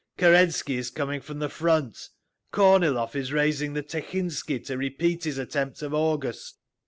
Kerensky is coming from the front. Kornilov is raising the Tekhintsi to repeat his attempt of August.